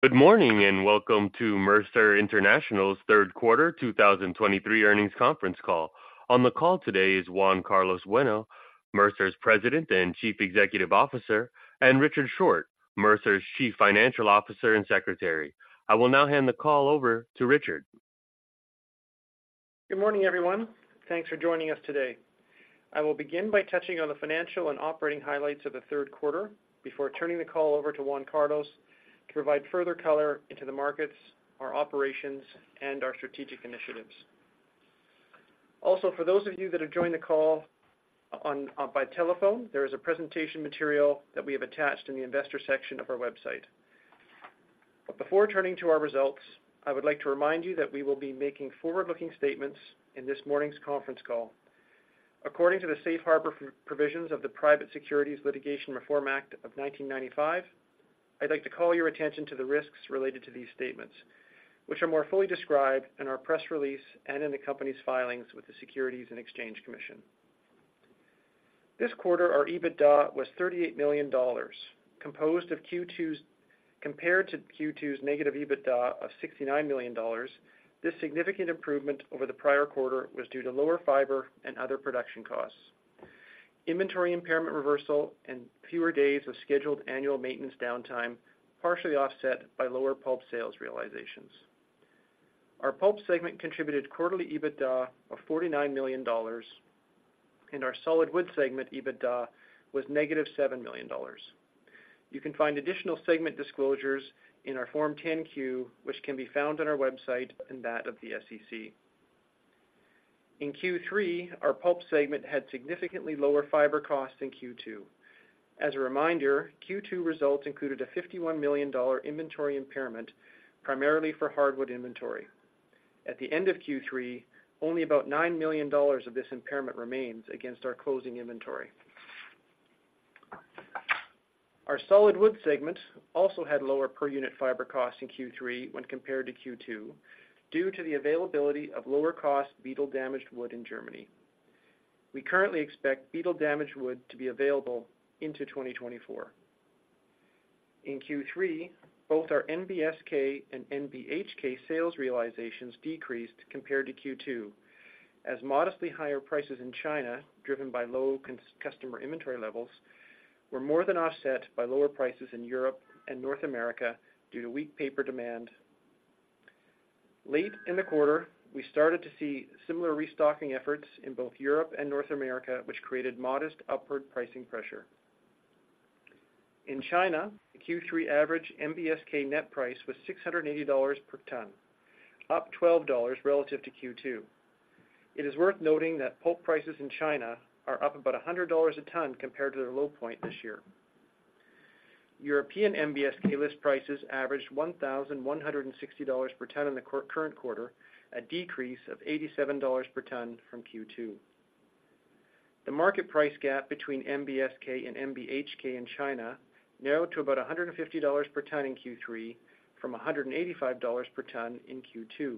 Good morning, and welcome to Mercer International's Q3 2023 earnings conference call. On the call today is Juan Carlos Bueno, Mercer's President and Chief Executive Officer, and Richard Short, Mercer's Chief Financial Officer and Secretary. I will now hand the call over to Richard. Good morning, everyone. Thanks for joining us today. I will begin by touching on the financial and operating highlights of the Q3 before turning the call over to Juan Carlos to provide further color into the markets, our operations, and our strategic initiatives. Also, for those of you that have joined the call on by telephone, there is a presentation material that we have attached in the investor section of our website. Before turning to our results, I would like to remind you that we will be making forward-looking statements in this morning's conference call. According to the safe harbor provisions of the Private Securities Litigation Reform Act of 1995, I'd like to call your attention to the risks related to these statements, which are more fully described in our press release and in the company's filings with the Securities and Exchange Commission. This quarter, our EBITDA was $38 million, compared to Q2's negative EBITDA of $69 million. This significant improvement over the prior quarter was due to lower fiber and other production costs, inventory impairment reversal, and fewer days of scheduled annual maintenance downtime, partially offset by lower pulp sales realizations. Our pulp segment contributed quarterly EBITDA of $49 million, and our solid wood segment EBITDA was negative $7 million. You can find additional segment disclosures in our Form 10-Q, which can be found on our website and that of the SEC. In Q3, our pulp segment had significantly lower fiber costs than Q2. As a reminder, Q2 results included a $51 million inventory impairment, primarily for hardwood inventory. At the end of Q3, only about $9 million of this impairment remains against our closing inventory. Our solid wood segment also had lower per-unit fiber costs in Q3 when compared to Q2, due to the availability of lower-cost beetle-damaged wood in Germany. We currently expect beetle-damaged wood to be available into 2024. In Q3, both our NBSK and NBHK sales realizations decreased compared to Q2, as modestly higher prices in China, driven by low customer inventory levels, were more than offset by lower prices in Europe and North America due to weak paper demand. Late in the quarter, we started to see similar restocking efforts in both Europe and North America, which created modest upward pricing pressure. In China, the Q3 average NBSK net price was $680 per ton, up $12 relative to Q2. It is worth noting that pulp prices in China are up about $100 a ton compared to their low point this year. European NBSK list prices averaged $1,160 per ton in the current quarter, a decrease of $87 per ton from Q2. The market price gap between NBSK and NBHK in China narrowed to about $150 per ton in Q3 from $185 per ton in Q2.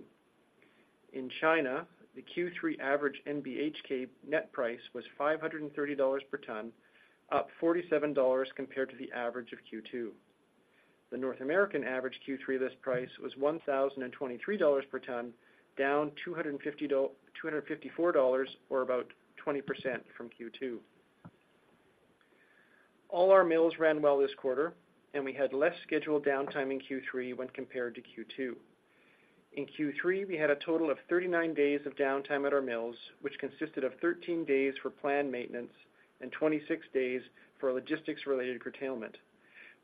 In China, the Q3 average NBHK net price was $530 per ton, up $47 compared to the average of Q2. The North American average Q3 list price was $1,023 per ton, down $254, or about 20% from Q2. All our mills ran well this quarter, and we had less scheduled downtime in Q3 when compared to Q2. In Q3, we had a total of 39 days of downtime at our mills, which consisted of 13 days for planned maintenance and 26 days for logistics-related curtailment,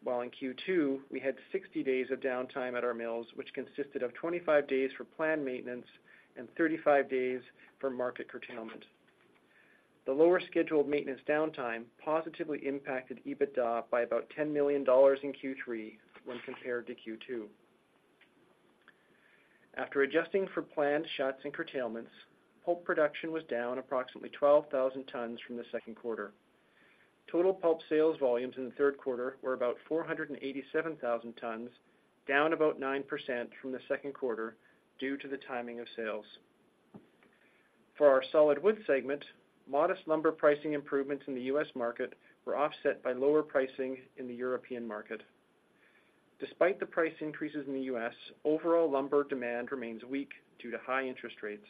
while in Q2, we had 60 days of downtime at our mills, which consisted of 25 days for planned maintenance and 35 days for market curtailment. The lower scheduled maintenance downtime positively impacted EBITDA by about $10 million in Q3 when compared to Q2. After adjusting for planned shuts and curtailments, pulp production was down approximately 12,000 tons from the Q2. Total pulp sales volumes in the Q3 were about 487,000 tons, down about 9% from the Q2 due to the timing of sales. For our solid wood segment, modest lumber pricing improvements in the U.S. market were offset by lower pricing in the European market. Despite the price increases in the U.S., overall lumber demand remains weak due to high interest rates.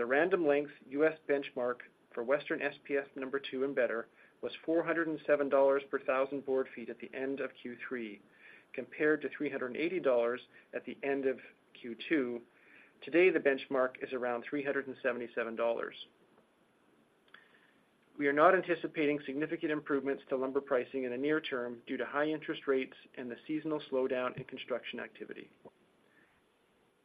The random length U.S. benchmark for Western SPF number two and better was $407 per 1,000 board feet at the end of Q3, compared to $380 at the end of Q2. Today, the benchmark is around $377. We are not anticipating significant improvements to lumber pricing in the near term due to high interest rates and the seasonal slowdown in construction activity.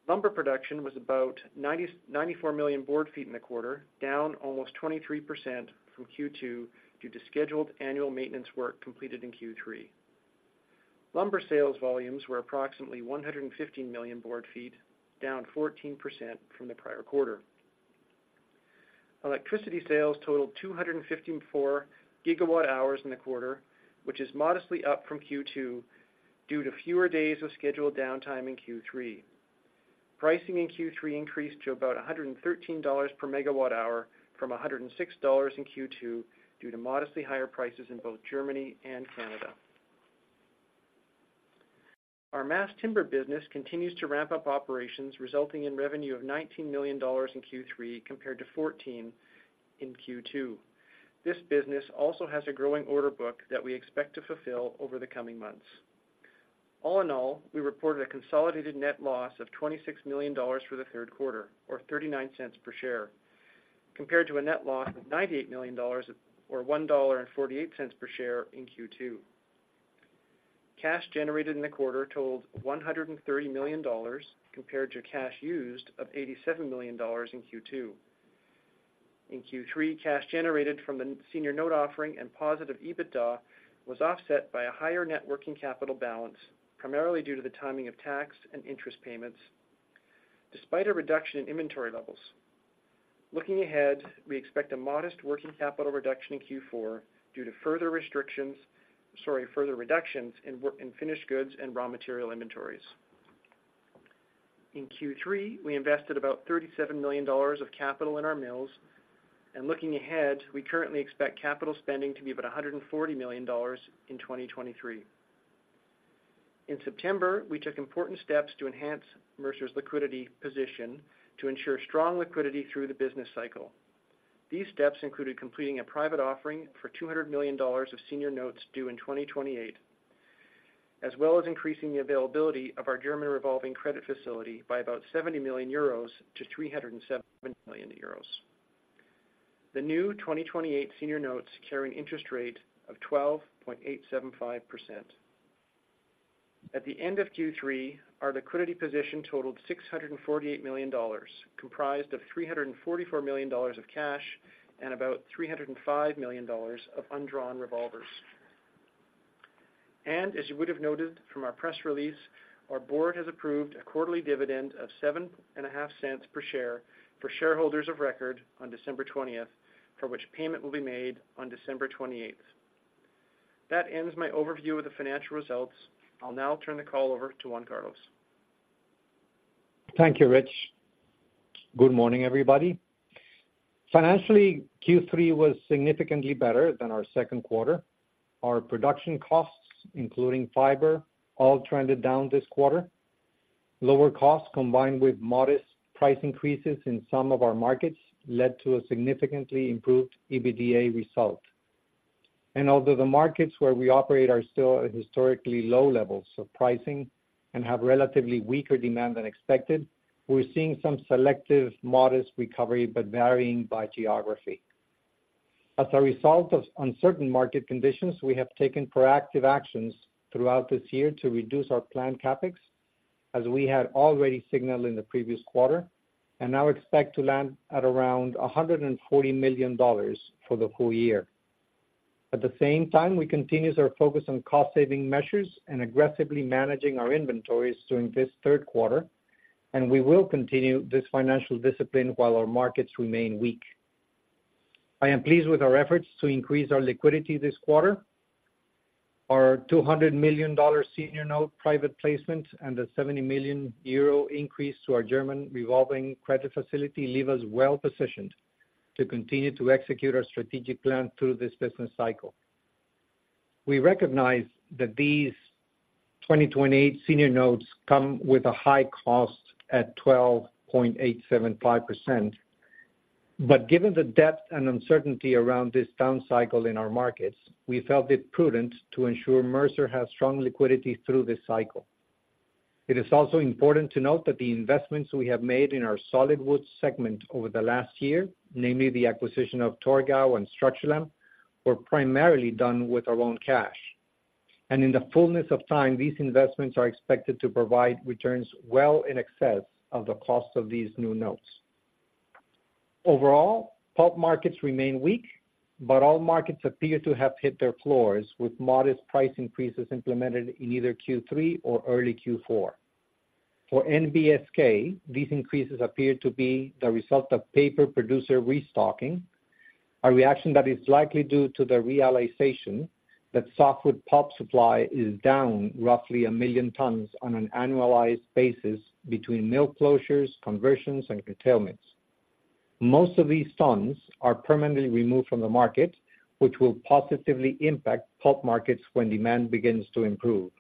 Lumber production was about 94 million board feet in the quarter, down almost 23% from Q2 due to scheduled annual maintenance work completed in Q3. Lumber sales volumes were approximately 115 million board feet, down 14% from the prior quarter. Electricity sales totaled 254 GWh in the quarter, which is modestly up from Q2 due to fewer days of scheduled downtime in Q3. Pricing in Q3 increased to about $113 per MWh from $106 in Q2, due to modestly higher prices in both Germany and Canada. Our mass timber business continues to ramp up operations, resulting in revenue of $19 million in Q3 compared to $14 million in Q2. This business also has a growing order book that we expect to fulfill over the coming months. All in all, we reported a consolidated net loss of $26 million for the Q3, or $0.39 per share, compared to a net loss of $98 million, or $1.48 per share in Q2. Cash generated in the quarter totaled $130 million compared to cash used of $87 million in Q2. In Q3, cash generated from the senior note offering and positive EBITDA was offset by a higher net working capital balance, primarily due to the timing of tax and interest payments, despite a reduction in inventory levels. Looking ahead, we expect a modest working capital reduction in Q4 due to further reductions in finished goods and raw material inventories. In Q3, we invested about $37 million of capital in our mills, and looking ahead, we currently expect capital spending to be about $140 million in 2023. In September, we took important steps to enhance Mercer's liquidity position to ensure strong liquidity through the business cycle. These steps included completing a private offering for $200 million of senior notes due in 2028, as well as increasing the availability of our German revolving credit facility by about 70 million euros - 370 million euros. The new 2028 senior notes carry an interest rate of 12.875%. At the end of Q3, our liquidity position totaled $648 million, comprised of $344 million of cash and about $305 million of undrawn revolvers. And as you would have noted from our press release, our board has approved a quarterly dividend of $0.075 per share for shareholders of record on December 20th, for which payment will be made on December 28th. That ends my overview of the financial results. I'll now turn the call over to Juan Carlos. Thank you, Rich. Good morning, everybody. Financially, Q3 was significantly better than our Q2. Our production costs, including fiber, all trended down this quarter. Lower costs, combined with modest price increases in some of our markets, led to a significantly improved EBITDA result. Although the markets where we operate are still at historically low levels of pricing and have relatively weaker demand than expected, we're seeing some selective, modest recovery, but varying by geography. As a result of uncertain market conditions, we have taken proactive actions throughout this year to reduce our planned CapEx, as we had already signaled in the previous quarter, and now expect to land at around $140 million for the whole year. At the same time, we continued our focus on cost saving measures and aggressively managing our inventories during this Q3, and we will continue this financial discipline while our markets remain weak. I am pleased with our efforts to increase our liquidity this quarter. Our $200 million senior note private placement and the 70 million euro increase to our German revolving credit facility leave us well positioned to continue to execute our strategic plan through this business cycle. We recognize that these 2028 senior notes come with a high cost at 12.875%. But given the depth and uncertainty around this down cycle in our markets, we felt it prudent to ensure Mercer has strong liquidity through this cycle. It is also important to note that the investments we have made in our solid wood segment over the last year, namely the acquisition of Torgau and Structurlam, were primarily done with our own cash. In the fullness of time, these investments are expected to provide returns well in excess of the cost of these new notes. Overall, pulp markets remain weak, but all markets appear to have hit their floors, with modest price increases implemented in either Q3 or early Q4. For NBSK, these increases appear to be the result of paper producer restocking, a reaction that is likely due to the realization that softwood pulp supply is down roughly 1 million tons on an annualized basis between mill closures, conversions, and curtailments. Most of these tons are permanently removed from the market, which will positively impact pulp markets when demand begins to improve.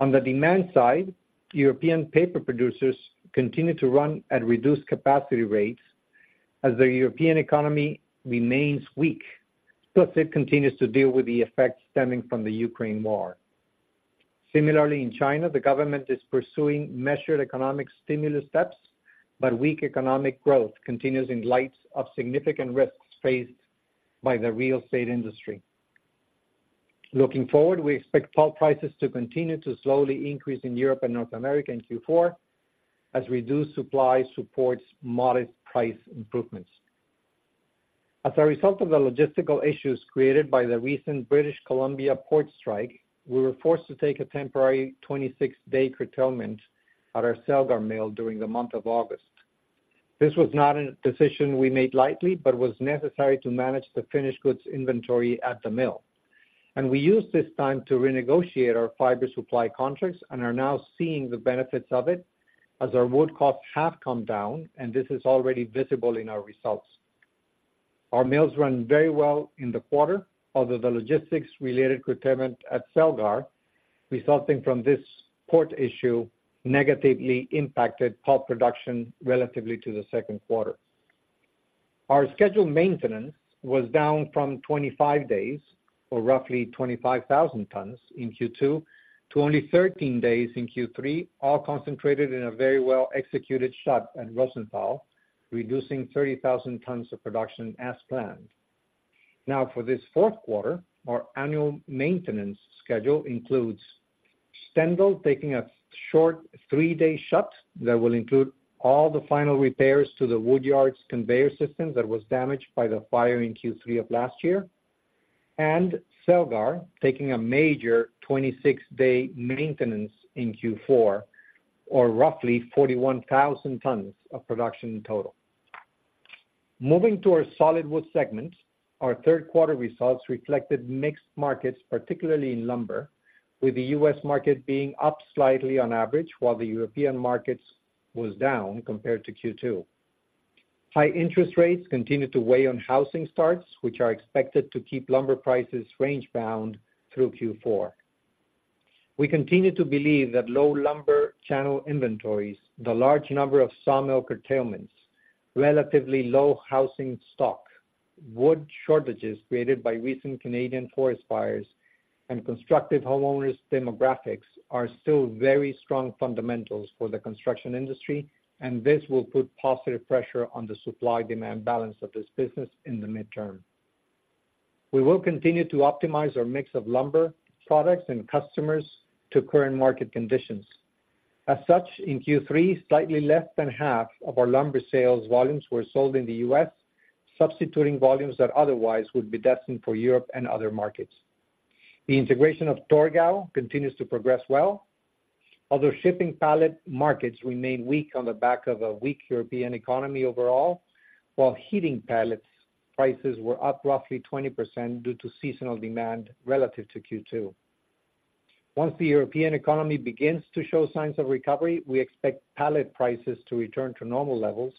On the demand side, European paper producers continue to run at reduced capacity rates as the European economy remains weak, plus it continues to deal with the effects stemming from the Ukraine war. Similarly, in China, the government is pursuing measured economic stimulus steps, but weak economic growth continues in light of significant risks faced by the real estate industry. Looking forward, we expect pulp prices to continue to slowly increase in Europe and North America in Q4 as reduced supply supports modest price improvements. As a result of the logistical issues created by the recent British Columbia port strike, we were forced to take a temporary 26-day curtailment at our Celgar mill during the month of August. This was not a decision we made lightly, but was necessary to manage the finished goods inventory at the mill. We used this time to renegotiate our fiber supply contracts and are now seeing the benefits of it as our wood costs have come down, and this is already visible in our results. Our mills ran very well in the quarter, although the logistics-related curtailment at Celgar, resulting from this port issue, negatively impacted pulp production relative to the Q2. Our scheduled maintenance was down from 25 days, or roughly 25,000 tons in Q2, to only 13 days in Q3, all concentrated in a very well-executed shut at Rosenthal, reducing 30,000 tons of production as planned. Now, for this Q4, our annual maintenance schedule includes Stendal taking a short three day shut that will include all the final repairs to the woodyards conveyor system that was damaged by the fire in Q3 of last year, and Celgar taking a major 26-day maintenance in Q4, or roughly 41,000 tons of production in total. Moving to our solid wood segment, our Q3 results reflected mixed markets, particularly in lumber, with the U.S. market being up slightly on average, while the European markets was down compared to Q2. High interest rates continued to weigh on housing starts, which are expected to keep lumber prices range-bound through Q4. We continue to believe that low lumber channel inventories, the large number of sawmill curtailments, relatively low housing stock, wood shortages created by recent Canadian forest fires, and constructive homeowners demographics are still very strong fundamentals for the construction industry, and this will put positive pressure on the supply-demand balance of this business in the midterm. We will continue to optimize our mix of lumber products and customers to current market conditions. As such, in Q3, slightly less than 1/2 of our lumber sales volumes were sold in the U.S., substituting volumes that otherwise would be destined for Europe and other markets. The integration of Torgau continues to progress well, although shipping pallet markets remain weak on the back of a weak European economy overall, while heating pellets prices were up roughly 20% due to seasonal demand relative to Q2. Once the European economy begins to show signs of recovery, we expect pallet prices to return to normal levels,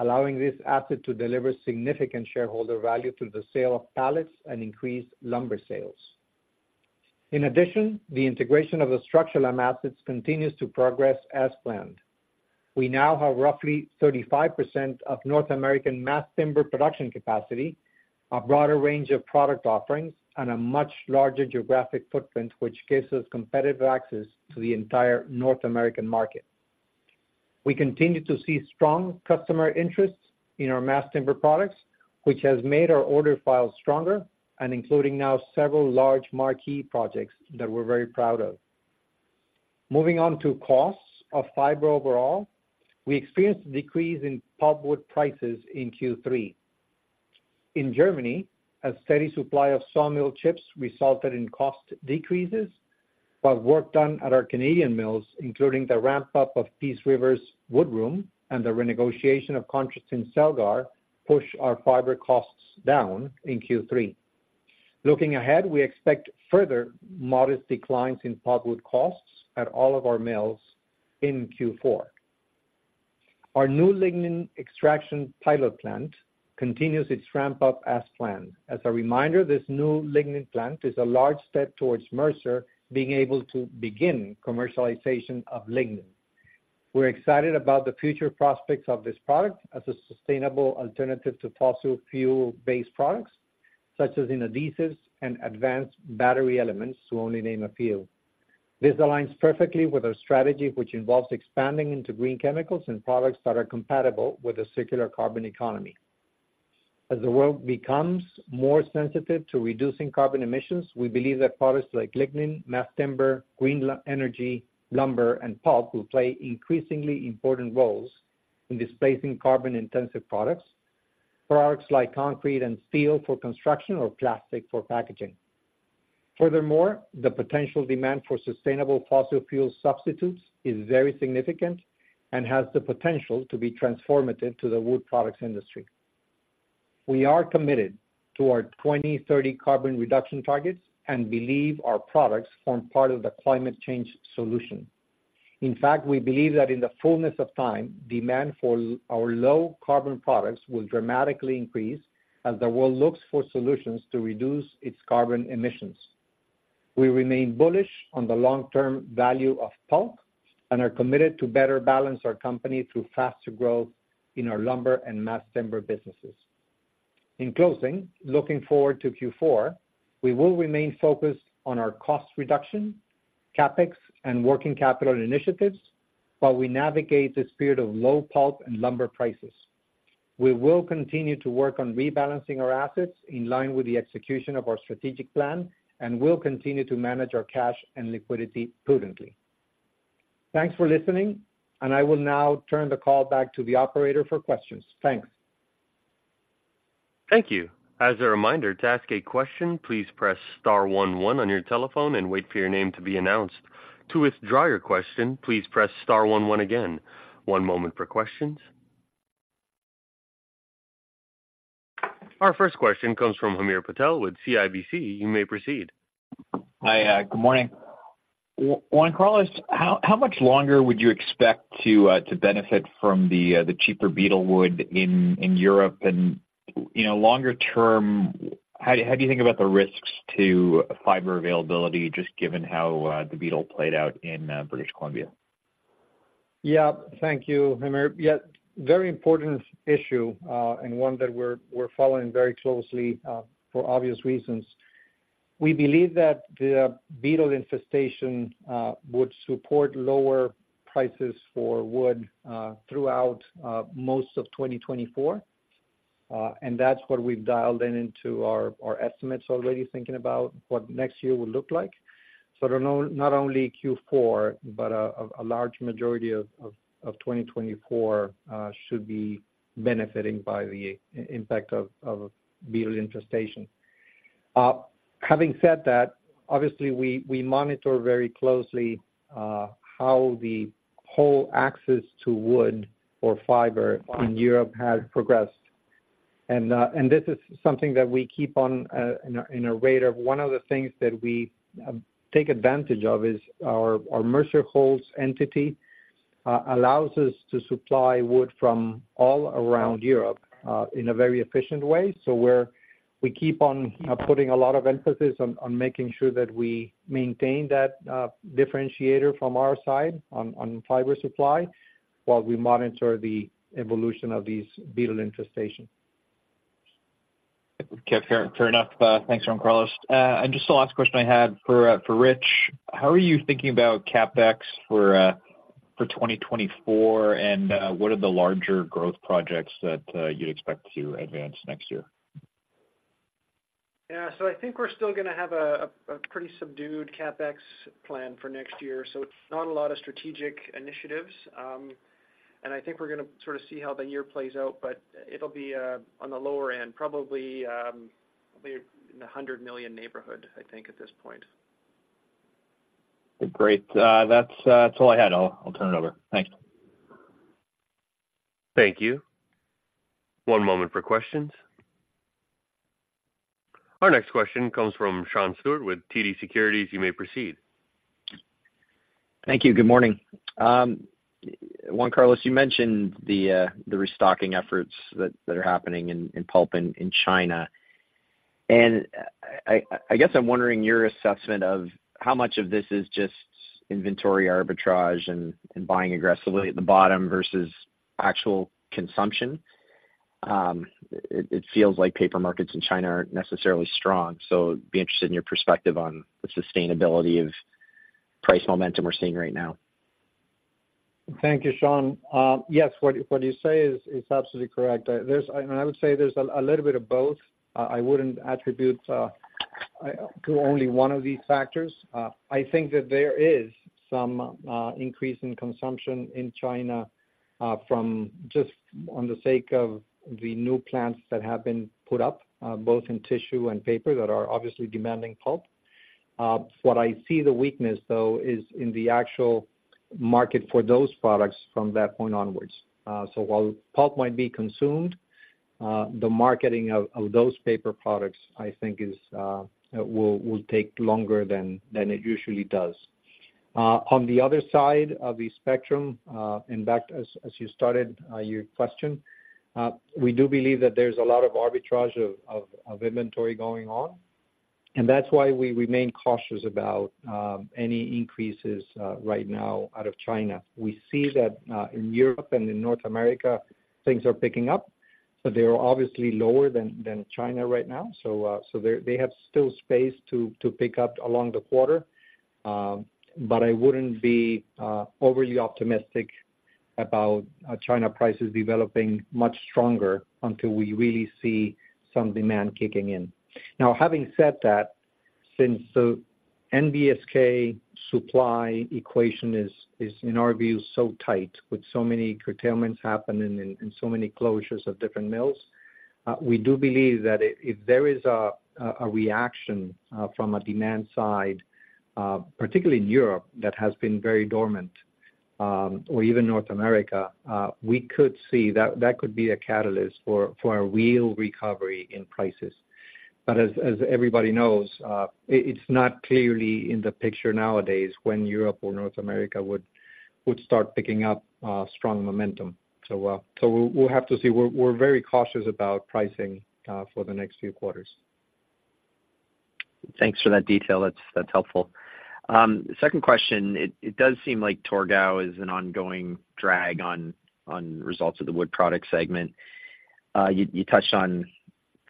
allowing this asset to deliver significant shareholder value through the sale of pallets and increased lumber sales. In addition, the integration of the structural assets continues to progress as planned. We now have roughly 35% of North American mass timber production capacity, a broader range of product offerings, and a much larger geographic footprint, which gives us competitive access to the entire North American market. We continue to see strong customer interest in our mass timber products, which has made our order files stronger and including now several large marquee projects that we're very proud of. Moving on to costs of fiber overall, we experienced a decrease in pulpwood prices in Q3. In Germany, a steady supply of sawmill chips resulted in cost decreases, while work done at our Canadian mills, including the ramp-up of Peace River's wood room and the renegotiation of contracts in Celgar, pushed our fiber costs down in Q3. Looking ahead, we expect further modest declines in pulpwood costs at all of our mills in Q4. Our new lignin extraction pilot plant continues its ramp-up as planned. As a reminder, this new lignin plant is a large step towards Mercer being able to begin commercialization of lignin. We're excited about the future prospects of this product as a sustainable alternative to fossil fuel-based products, such as in adhesives and advanced battery elements, to only name a few. This aligns perfectly with our strategy, which involves expanding into green chemicals and products that are compatible with a circular carbon economy. As the world becomes more sensitive to reducing carbon emissions, we believe that products like lignin, mass timber, green energy, lumber, and pulp will play increasingly important roles in displacing carbon-intensive products, products like concrete and steel for construction or plastic for packaging. Furthermore, the potential demand for sustainable fossil fuel substitutes is very significant and has the potential to be transformative to the wood products industry. We are committed to our 2030 carbon reduction targets and believe our products form part of the climate change solution. In fact, we believe that in the fullness of time, demand for our low carbon products will dramatically increase as the world looks for solutions to reduce its carbon emissions. We remain bullish on the long-term value of pulp and are committed to better balance our company through faster growth in our lumber and mass timber businesses. In closing, looking forward to Q4, we will remain focused on our cost reduction, CapEx, and working capital initiatives, while we navigate this period of low pulp and lumber prices. We will continue to work on rebalancing our assets in line with the execution of our strategic plan, and we'll continue to manage our cash and liquidity prudently. Thanks for listening, and I will now turn the call back to the operator for questions. Thanks. Thank you. As a reminder, to ask a question, please press star one one on your telephone and wait for your name to be announced. To withdraw your question, please press star one one again. One moment for questions. Our first question comes from Hamir Patel with CIBC. You may proceed. Hi, good morning. Juan Carlos, how much longer would you expect to benefit from the cheaper beetle wood in Europe? And, you know, longer term, how do you think about the risks to fiber availability, just given how the beetle played out in British Columbia? Yeah. Thank you, Hamir. Yeah, very important issue, and one that we're following very closely for obvious reasons. We believe that the beetle infestation would support lower prices for wood throughout most of 2024. And that's what we've dialed in into our estimates already, thinking about what next year will look like. So not only Q4, but a large majority of 2024 should be benefiting by the impact of beetle infestation. Having said that, obviously, we monitor very closely how the whole access to wood or fiber in Europe has progressed. And this is something that we keep on the radar. One of the things that we take advantage of is our Mercer Holz entity, allows us to supply wood from all around Europe in a very efficient way. So we keep on putting a lot of emphasis on making sure that we maintain that differentiator from our side, on fiber supply, while we monitor the evolution of these beetle infestations. Okay, fair, fair enough. Thanks, Juan Carlos. And just the last question I had for, for Rich: How are you thinking about CapEx for, for 2024? And what are the larger growth projects that you'd expect to advance next year? Yeah. So I think we're still gonna have a pretty subdued CapEx plan for next year, so it's not a lot of strategic initiatives. And I think we're gonna sort of see how the year plays out, but it'll be on the lower end, probably, probably in the $100 million neighborhood, I think, at this point. Great. That's all I had. I'll turn it over. Thanks. Thank you. One moment for questions. Our next question comes from Sean Steuart with TD Securities. You may proceed. Thank you. Good morning. Juan Carlos, you mentioned the restocking efforts that are happening in pulp in China. And I guess I'm wondering your assessment of how much of this is just inventory arbitrage and buying aggressively at the bottom versus actual consumption. It feels like paper markets in China aren't necessarily strong, so be interested in your perspective on the sustainability of price momentum we're seeing right now. Thank you, Sean. Yes, what you say is absolutely correct. I would say there's a little bit of both. I wouldn't attribute to only one of these factors. I think that there is some increase in consumption in China from just for the sake of the new plants that have been put up both in tissue and paper that are obviously demanding pulp. What I see, the weakness, though, is in the actual market for those products from that point onwards. So while pulp might be consumed, the marketing of those paper products, I think will take longer than it usually does. On the other side of the spectrum, in fact, as you started your question, we do believe that there's a lot of arbitrage of inventory going on, and that's why we remain cautious about any increases right now out of China. We see that in Europe and in North America, things are picking up, but they are obviously lower than China right now. So, they're, they have still space to pick up along the quarter. But I wouldn't be overly optimistic about China prices developing much stronger until we really see some demand kicking in. Now, having said that, since the NBSK supply equation is, in our view, so tight, with so many curtailments happening and so many closures of different mills, we do believe that if there is a reaction from a demand side, particularly in Europe, that has been very dormant, or even North America, we could see that that could be a catalyst for a real recovery in prices. But as everybody knows, it's not clearly in the picture nowadays, when Europe or North America would start picking up strong momentum. So, we'll have to see. We're very cautious about pricing for the next few quarters. Thanks for that detail. That's, that's helpful. Second question, it, it does seem like Torgau is an ongoing drag on, on results of the wood products segment. You, you touched on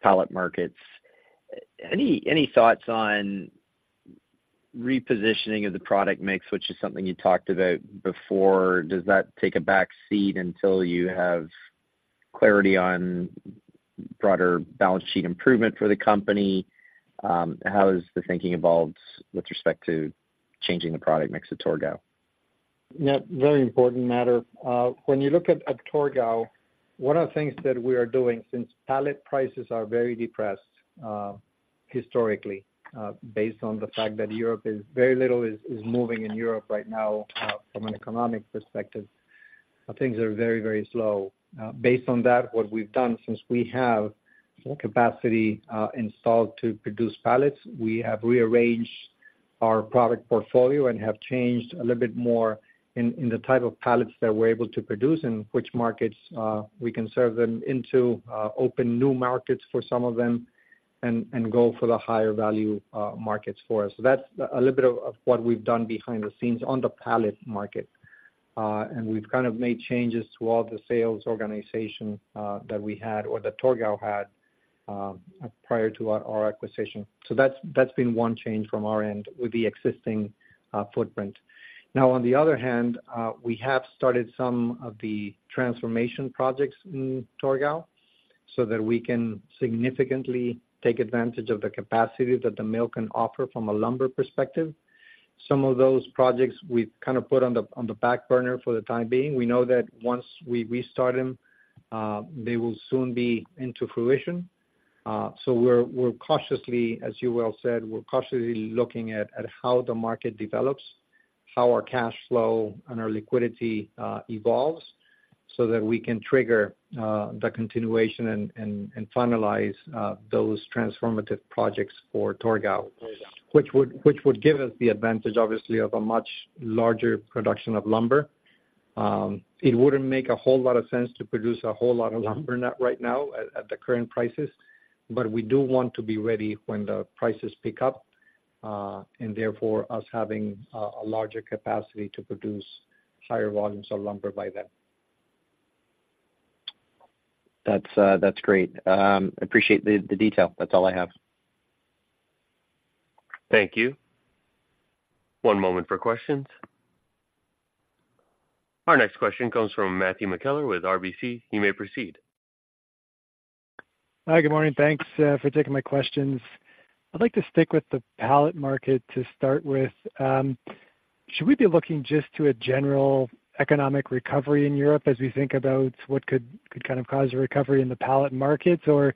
pallet markets. Any, any thoughts on repositioning of the product mix, which is something you talked about before? Does that take a back seat until you have clarity on broader balance sheet improvement for the company? How has the thinking evolved with respect to changing the product mix at Torgau?... Yeah, very important matter. When you look at Torgau, one of the things that we are doing, since pallet prices are very depressed historically, based on the fact that very little is moving in Europe right now, from an economic perspective, things are very, very slow. Based on that, what we've done since we have capacity installed to produce pallets, we have rearranged our product portfolio and have changed a little bit more in the type of pallets that we're able to produce and which markets we can serve them into, open new markets for some of them and go for the higher value markets for us. So that's a little bit of what we've done behind the scenes on the pallet market. And we've kind of made changes to all the sales organization that we had or that Torgau had prior to our acquisition. So that's been one change from our end with the existing footprint. Now, on the other hand, we have started some of the transformation projects in Torgau so that we can significantly take advantage of the capacity that the mill can offer from a lumber perspective. Some of those projects we've kind of put on the back burner for the time being. We know that once we restart them, they will soon be into fruition. So we're cautiously, as you well said, we're cautiously looking at how the market develops, how our cash flow and our liquidity evolves, so that we can trigger the continuation and finalize those transformative projects for Torgau, which would give us the advantage, obviously, of a much larger production of lumber. It wouldn't make a whole lot of sense to produce a whole lot of lumber right now at the current prices, but we do want to be ready when the prices pick up, and therefore us having a larger capacity to produce higher volumes of lumber by then. That's great. Appreciate the detail. That's all I have. Thank you. One moment for questions. Our next question comes from Matthew McKellar with RBC. You may proceed. Hi, good morning. Thanks for taking my questions. I'd like to stick with the pallet market to start with. Should we be looking just to a general economic recovery in Europe as we think about what could kind of cause a recovery in the pallet markets? Or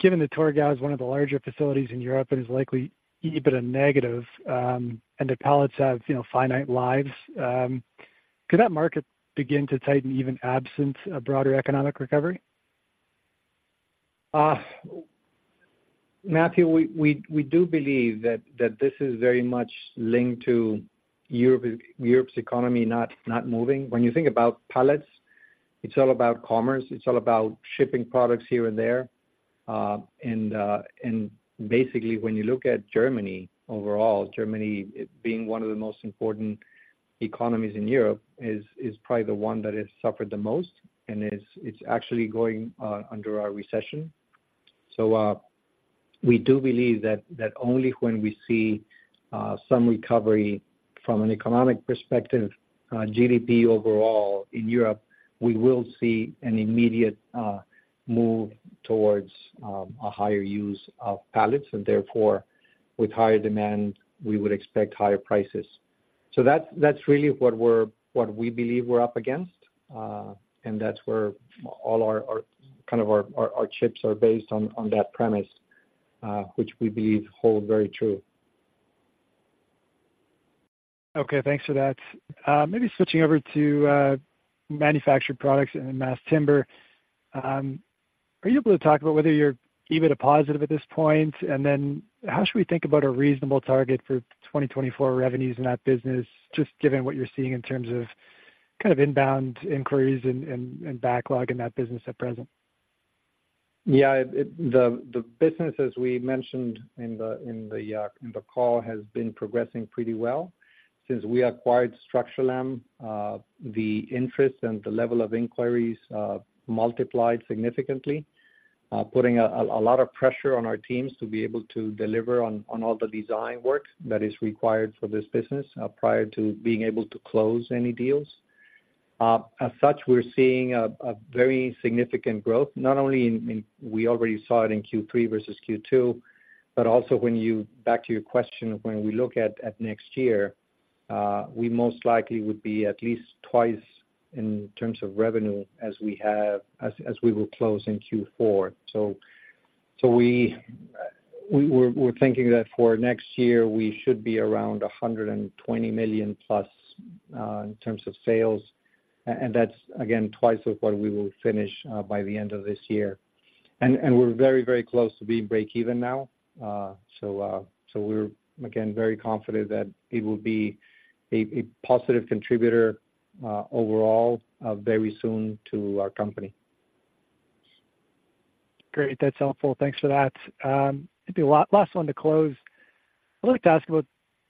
given that Torgau is one of the larger facilities in Europe and is likely even a negative, and the pallets have, you know, finite lives, could that market begin to tighten even absent a broader economic recovery? Matthew, we do believe that this is very much linked to Europe, Europe's economy not moving. When you think about pallets, it's all about commerce. It's all about shipping products here and there. And basically, when you look at Germany, overall, Germany, it being one of the most important economies in Europe, is probably the one that has suffered the most and is—it's actually going under a recession. So, we do believe that only when we see some recovery from an economic perspective, GDP overall in Europe, we will see an immediate move towards a higher use of pallets, and therefore, with higher demand, we would expect higher prices. So that's really what we're—what we believe we're up against. And that's where all our kind of chips are based on that premise, which we believe hold very true. Okay, thanks for that. Maybe switching over to manufactured products and mass timber. Are you able to talk about whether you're even a positive at this point? And then how should we think about a reasonable target for 2024 revenues in that business, just given what you're seeing in terms of kind of inbound inquiries and backlog in that business at present? Yeah, the business, as we mentioned in the call, has been progressing pretty well. Since we acquired Structurlam, the interest and the level of inquiries multiplied significantly, putting a lot of pressure on our teams to be able to deliver on all the design work that is required for this business, prior to being able to close any deals. As such, we're seeing a very significant growth, not only, we already saw it in Q3 versus Q2, but also when you back to your question, when we look at next year, we most likely would be at least twice in terms of revenue as we have, as we will close in Q4. So we're thinking that for next year, we should be around $120 million plus in terms of sales. And that's, again, twice of what we will finish by the end of this year. And we're very close to being breakeven now. So we're, again, very confident that it will be a positive contributor overall very soon to our company. Great. That's helpful. Thanks for that. Maybe last one to close. I'd like to ask about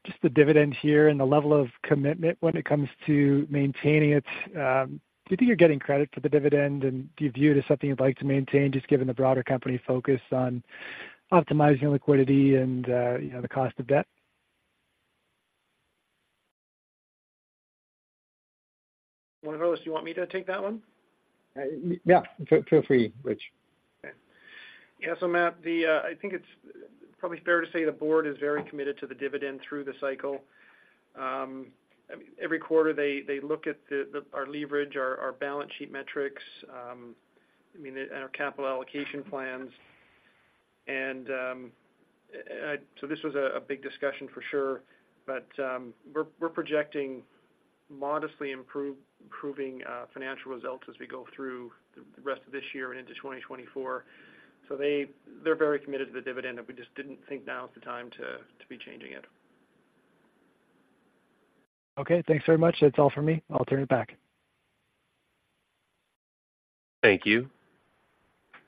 just the dividend here and the level of commitment when it comes to maintaining it. Do you think you're getting credit for the dividend, and do you view it as something you'd like to maintain, just given the broader company focus on optimizing liquidity and, you know, the cost of debt? ... Juan Carlos, you want me to take that one? Yeah, feel free, Rich. Okay. Yeah, so Matt, I think it's probably fair to say the board is very committed to the dividend through the cycle. Every quarter, they look at our leverage, our balance sheet metrics, I mean, and our capital allocation plans. So this was a big discussion for sure, but we're projecting modestly improving financial results as we go through the rest of this year and into 2024. So they're very committed to the dividend, and we just didn't think now is the time to be changing it. Okay, thanks very much. That's all for me. I'll turn it back. Thank you.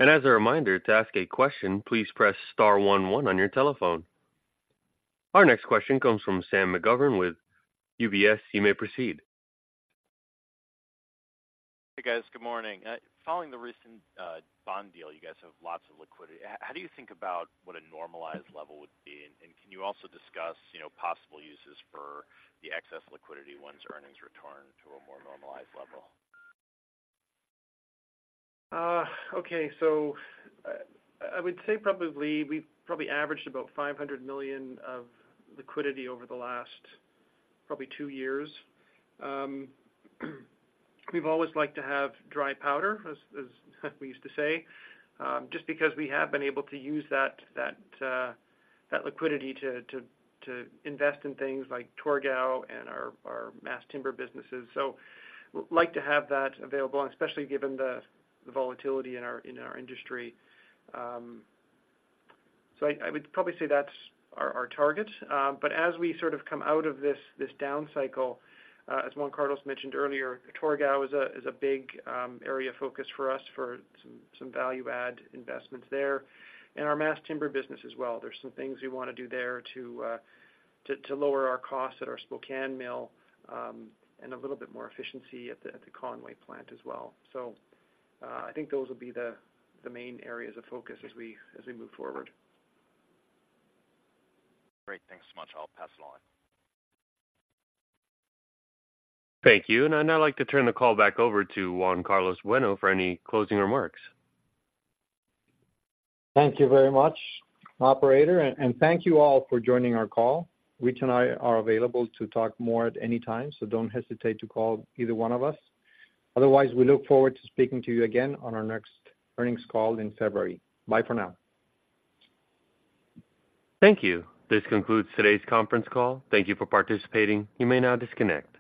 As a reminder, to ask a question, please press star one one on your telephone. Our next question comes from Sam McGovern with UBS. You may proceed. Hey, guys. Good morning. Following the recent bond deal, you guys have lots of liquidity. How do you think about what a normalized level would be? And can you also discuss, you know, possible uses for the excess liquidity once earnings return to a more normalized level? Okay. So, I would say probably, we've probably averaged about $500 million of liquidity over the last probably two years. We've always liked to have dry powder, as we used to say, just because we have been able to use that that liquidity to invest in things like Torgau and our mass timber businesses. So we'd like to have that available, and especially given the volatility in our industry. So I would probably say that's our target. But as we sort of come out of this down cycle, as Juan Carlos mentioned earlier, Torgau is a big area of focus for us for some value add investments there, and our mass timber business as well. There's some things we wanna do there to lower our costs at our Spokane mill, and a little bit more efficiency at the Conway plant as well. So, I think those will be the main areas of focus as we move forward. Great. Thanks so much. I'll pass it along. Thank you. I'd now like to turn the call back over to Juan Carlos Bueno for any closing remarks. Thank you very much, operator, and thank you all for joining our call. Rich and I are available to talk more at any time, so don't hesitate to call either one of us. Otherwise, we look forward to speaking to you again on our next earnings call in February. Bye for now. Thank you. This concludes today's conference call. Thank you for participating. You may now disconnect.